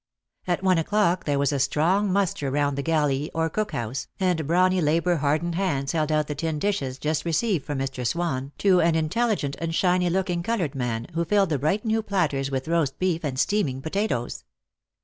At one o'clock there was a strong muster round the galley or cook house, and brawny labour hardened hands held out the tin dishes just received from Mr. Swan to an intelligent and shiny looking coloured man, who filled the bright new platters with roast beef and steaming potatoes.